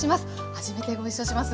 初めてご一緒します。